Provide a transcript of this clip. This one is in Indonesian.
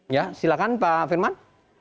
ya silakan pak firman